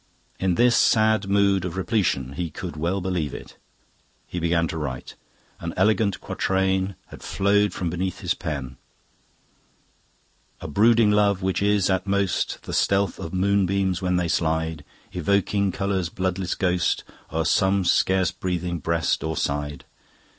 In this sad mood of repletion he could well believe it. He began to write. One elegant quatrain had flowed from beneath his pen: "A brooding love which is at most The stealth of moonbeams when they slide, Evoking colour's bloodless ghost, O'er some scarce breathing breast or side..."